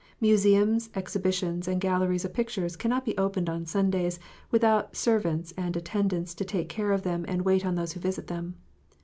Museums, exhibitions, and galleries of pictures, cannot be opened on Sundays without servants and attendants to take care of them and wait on those who visit them.